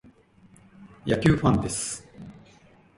野球ファンです。